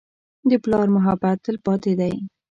د پلار محبت تلپاتې دی.